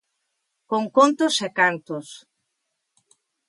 Con contos e cantos.